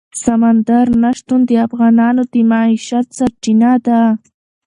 سمندر نه شتون د افغانانو د معیشت سرچینه ده.